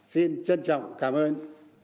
xin trân trọng cảm ơn